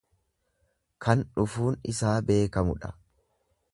Kan dhufuun isaa beekamudha.